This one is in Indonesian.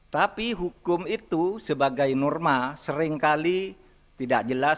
tapi hukum itu sebagai norma seringkali tidak jelas